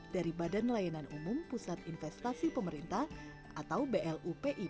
dari badan layanan umum pusat investasi pemerintah atau blupi